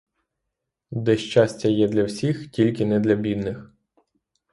Де щастя є для всіх, тільки не для бідних.